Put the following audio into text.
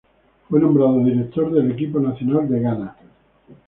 Fue nombrado director del equipo nacional de Ghana.